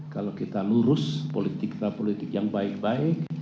kalau kita lurus politik kita politik yang baik baik